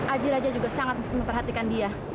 aji raja juga sangat memperhatikan dia